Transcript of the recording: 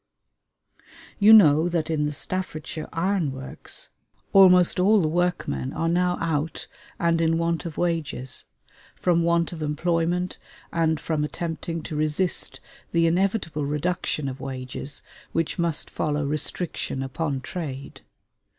You know that in the Staffordshire ironworks almost all the workmen are now out and in want of wages, from want of employment and from attempting to resist the inevitable reduction of wages which must follow restriction upon trade.